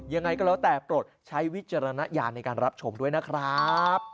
ยังไงก็แล้วแต่โปรดใช้วิจารณญาณในการรับชมด้วยนะครับ